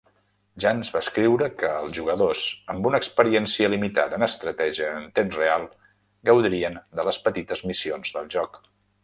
Yans va escriure que els jugadors amb una experiència limitada en estratègia en temps real gaudirien de les petites missions del joc.